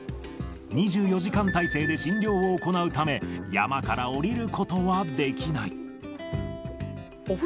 ２４時間体制で診療を行うため、山から下りることはできない。